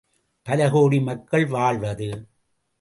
பலகோடி மக்கள் வாழ்வது.